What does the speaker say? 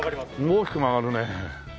大きく曲がるね。